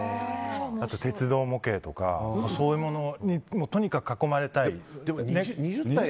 あと鉄道模型とかそういうものにとにかく囲まれたい。